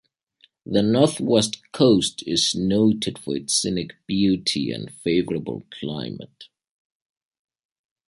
The northwest coast is noted for its scenic beauty and favourable climate.